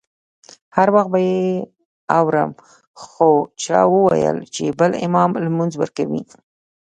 هر وخت به یې اورم خو چا وویل چې بل امام لمونځ ورکوي.